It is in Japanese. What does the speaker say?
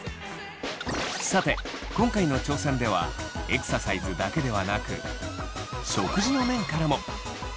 さて今回の挑戦ではエクササイズだけではなく食事の面からも。